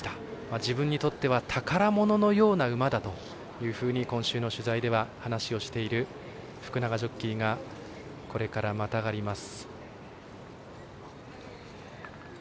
自分にとっては宝物のような馬だというふうに今週の取材では話をしている福永ジョッキーがこれから、またがります。